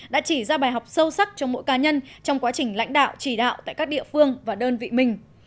đã chỉ ra bài học sâu sắc cho mỗi cá nhân trong quá trình lãnh đạo chỉ đạo tại các địa phương và đơn vị mình